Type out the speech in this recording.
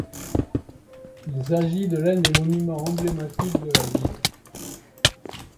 Il s'agit de l'un des monuments emblématiques de la ville.